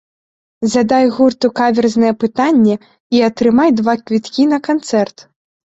Задай гурту каверзнае пытанне і атрымай два квіткі на канцэрт!